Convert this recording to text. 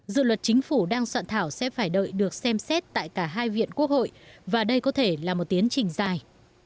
dự luật chính phủ đang soạn thảo sẽ phải đợi được xem xét tại cả hai viện quốc hội và đây có thể là một tiến trình dài